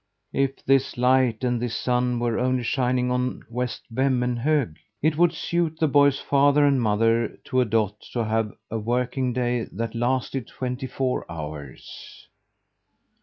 If this light and this sun were only shining on West Vemmenhög! It would suit the boy's father and mother to a dot to have a working day that lasted twenty four hours.